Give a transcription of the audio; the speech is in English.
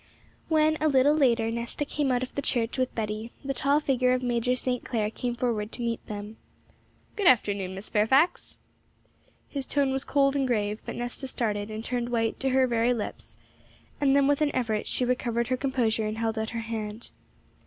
When, a little later, Nesta came out of the church with Betty, the tall figure of Major St. Clair came forward to meet them. 'Good afternoon, Miss Fairfax.' His tone was cold and grave; but Nesta started, and turned white to her very lips; then with an effort she recovered her composure, and held out her hand.